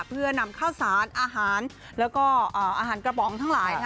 เพื่อนำข้าวสารอาหารแล้วก็อาหารกระป๋องทั้งหลาย